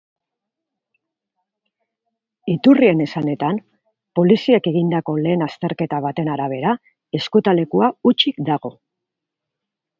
Iturrien esanetan, poliziek egindako lehen azterketa baten arabera, ezkutalekua hutsik dago.